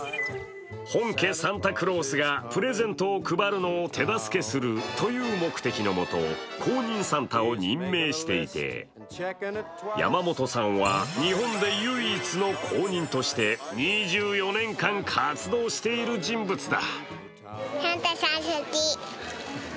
本家サンタクロースがプレゼントを配るのを手助けするという目的のもと、公認サンタを任命していて山元さんは日本で唯一の公認として２４年間活動している人物だ。